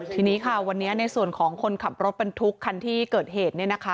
ทีนี้ค่ะวันนี้ในส่วนของคนขับรถเป็นทุกคันที่เกิดเหตุเนี่ยนะคะ